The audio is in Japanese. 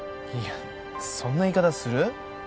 いやそんな言い方する？